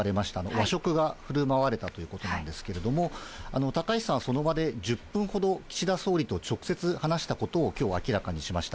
和食がふるまわれたということなんですけれども、高市さんはその場で１０分ほど岸田総理と直接話したことをきょう、明らかにしました。